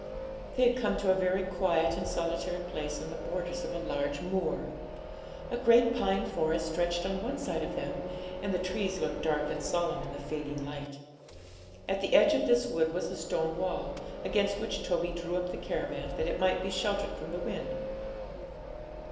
They had come to a very quiet and solitary place on the borders of a large moor. A great pine forest stretched on one side of them, and the trees looked dark and solemn in the fading light. At the edge of this wood was a stone wall, against which Toby drew up the caravan, that it might be sheltered from the wind.